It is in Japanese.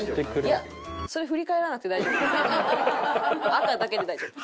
赤だけで大丈夫。